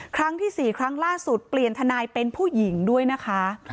ครั้งที่๔ครั้งล่าสุดเปลี่ยนทนายเป็นผู้หญิงด้วยนะคะ